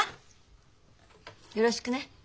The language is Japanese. よろしくね。